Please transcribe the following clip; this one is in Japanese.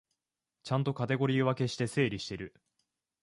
ちゃんとカテゴリー分けして整理してる